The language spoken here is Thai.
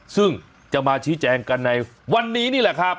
ซึ่งจะมาชี้แจงกันในวันนี้นี่แหละครับ